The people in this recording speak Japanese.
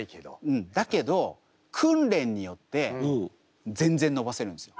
うんだけど訓練によって全然伸ばせるんですよ。